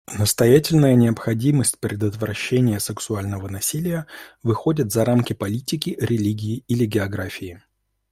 Настоятельная необходимость предотвращения сексуального насилия выходит за рамки политики, религии или географии.